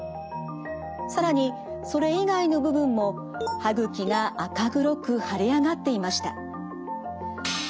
更にそれ以外の部分も歯ぐきが赤黒く腫れ上がっていました。